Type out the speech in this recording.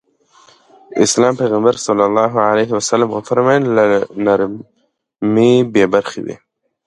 د اسلام پيغمبر ص وفرمايل له نرمي بې برخې وي.